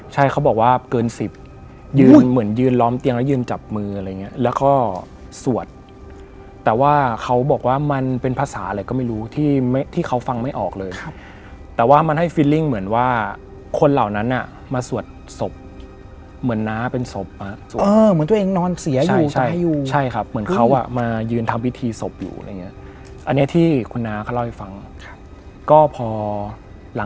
ใช่ครับแล้วเหมือนทำให้เรามีเสน่ห์